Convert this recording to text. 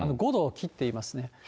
５度を切っていますね。